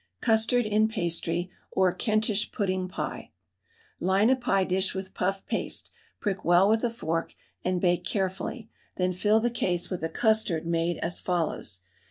CUSTARD IN PASTRY OR KENTISH PUDDING PIE. Line a pie dish with puff paste, prick well with a fork and bake carefully, then fill the case with a custard made as follows.